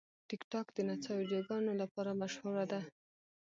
ټیکټاک د نڅا ویډیوګانو لپاره مشهوره ده.